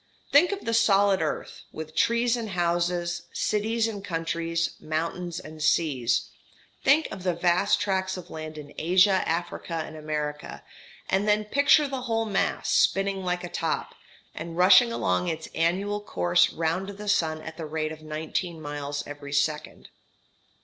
Think of the solid earth, with trees and houses, cities and countries, mountains and seas think of the vast tracts of land in Asia, Africa, and America and then picture the whole mass spinning like a top, and rushing along its annual course round the sun at the rate of nineteen miles every second.